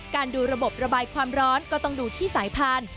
ดูระบบระบายความร้อนก็ต้องดูที่สายพันธุ์